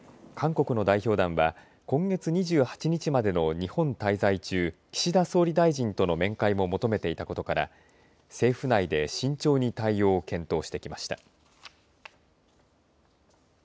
韓国の代表団は今月２８日までの日本滞在中岸田総理大臣との面会も求めていたことから政府内で慎重に対応を検討してきました。